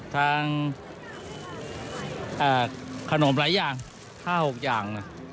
ทางขนมหลายอย่าง๕๖อย่าง